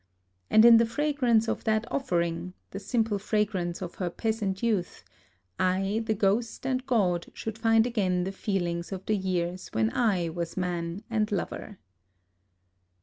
And in the fragrance of that offering, — the simple fra grance of her peasant youth, — I, the ghost and god, should find again the feelings of the years when I was man and lover.